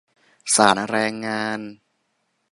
ศาลแรงงาน ?